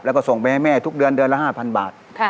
แล้วก็ส่งไปให้แม่ทุกเดือนเดือนละ๕๐๐บาท